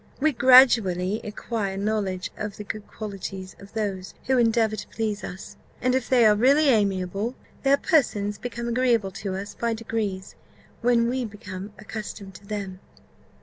We gradually acquire knowledge of the good qualities of those who endeavour to please us; and if they are really amiable, their persons become agreeable to us by degrees, when we become accustomed to them."